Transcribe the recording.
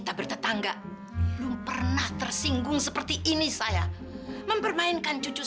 dabungkan tempatnya itu